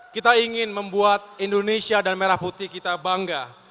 kita ingin membuat indonesia dan merah putih kita bangga